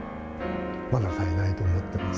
まだ足りないと思ってます。